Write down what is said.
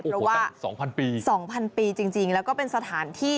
โอ้โฮตั้ง๒๐๐๐ปีจริงแล้วก็เป็นสถานที่